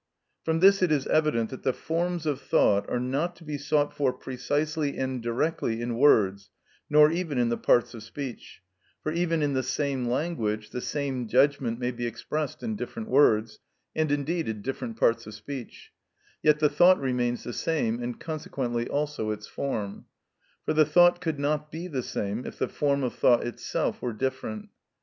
From this it is evident that the forms of thought are not to be sought for precisely and directly in words, nor even in the parts of speech, for even in the same language the same judgment may be expressed in different words, and indeed in different parts of speech, yet the thought remains the same, and consequently also its form; for the thought could not be the same if the form of thought itself were different.